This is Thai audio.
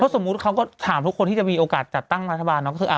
สมมุติเขาก็ถามทุกคนที่จะมีโอกาสจัดตั้งรัฐบาลเนาะก็คือ